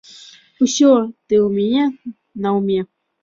Усё ты ў мяне наўме.